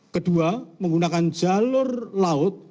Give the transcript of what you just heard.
kedua menggunakan jalur laut